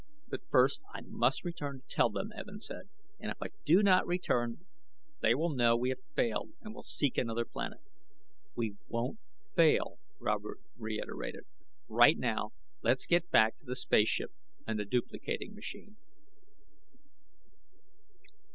"But first I must return to tell them," Evin said. "If I do not return they will know we have failed, and will seek another planet." "We won't fail," Robert reiterated. "Right now, let's get back to the space ship and the duplicating machine."